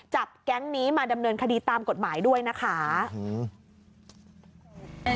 แก๊งนี้มาดำเนินคดีตามกฎหมายด้วยนะคะอืม